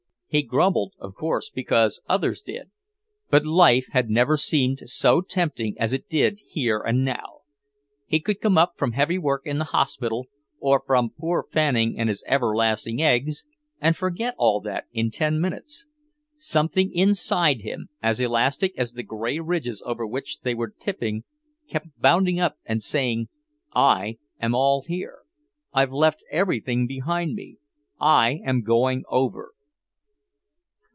He grumbled, of course, because others did. But life had never seemed so tempting as it did here and now. He could come up from heavy work in the hospital, or from poor Fanning and his everlasting eggs, and forget all that in ten minutes. Something inside him, as elastic as the grey ridges over which they were tipping, kept bounding up and saying: "I am all here. I've left everything behind me. I am going over."